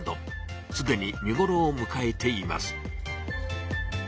すでに見ごろをむかえています。